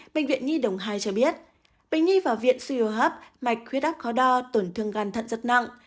bệnh viện nhi đồng hai cho biết bệnh nhi vào viện siêu hấp mạch huyết áp khó đo tổn thương gan thận rất nặng